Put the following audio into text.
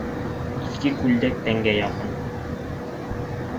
Иҫке күлдәк тәнгә яҡын